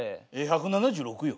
１７６よ。